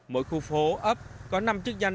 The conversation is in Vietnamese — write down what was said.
mỗi khu phố ấp có năm chức danh